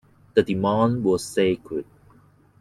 The demand was scarce.